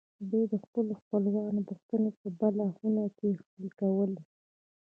دوی د خپلو خپلوانو پوښتنې په بله خونه کې حل کولې